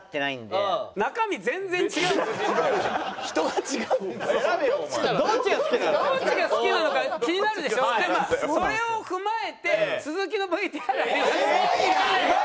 でまあそれを踏まえて続きのＶＴＲが。何？